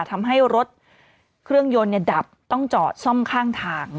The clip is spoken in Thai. ทำให้รถเครื่องยนต์ดับต้องจอดซ่อมข้างทาง